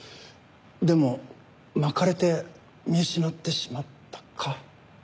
でもまかれて見失ってしまったか。